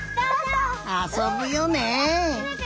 あそぶよね！